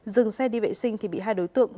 dừng xe đi vệ sinh thì bị hai đối tượng